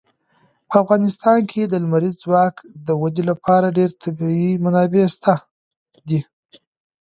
په افغانستان کې د لمریز ځواک د ودې لپاره ډېرې طبیعي منابع شته دي.